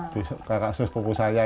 di kakak sus puku saya itu